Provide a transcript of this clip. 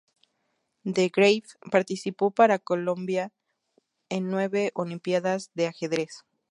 De Greiff participó para Colombia en nueve Olimpiadas de Ajedrez.